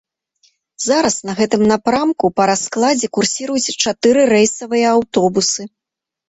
Зараз на гэтым напрамку па раскладзе курсіруюць чатыры рэйсавыя аўтобусы.